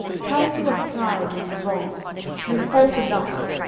Counsel of pride is wrong: we've fought enough.